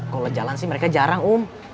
kalau jalan sih mereka jarang om